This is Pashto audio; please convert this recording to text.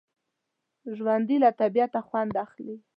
ژوندي له طبعیت خوند اخلي